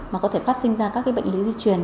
mà có thể phát sinh ra các bệnh lý di truyền